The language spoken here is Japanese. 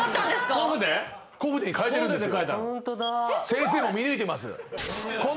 先生も見抜いてます。